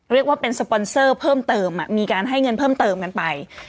เรียกว่าเป็นสปอนเซอร์เพิ่มเติมมีการให้เงินเพิ่มเติมกันไป